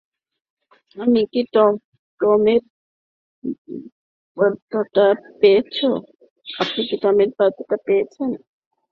আপনি কি টমের বার্তাটা পেয়েছেন?